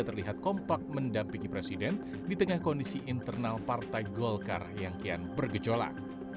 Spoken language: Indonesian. terlihat kompak mendampingi presiden di tengah kondisi internal partai golkar yang kian bergejolak